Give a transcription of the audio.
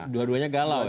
dua duanya galau ya